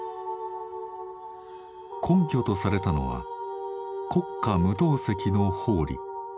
根拠とされたのは「国家無答責の法理」。